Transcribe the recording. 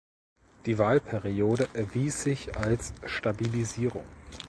Die Wahlperiode erwies sich als Stabilisierung.